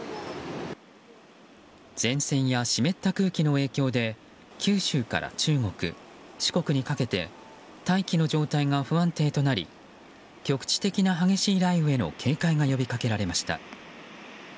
前線や湿った空気の影響で九州から中国・四国にかけて大気の状態が不安定となり局地的な激しい雷雨への警戒が呼びかけられました。